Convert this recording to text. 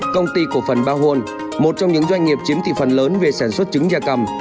công ty của phần ba hôn một trong những doanh nghiệp chiếm thị phần lớn về sản xuất trứng da cầm